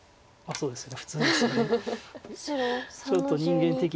そうですね。